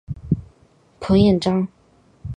彭彦章。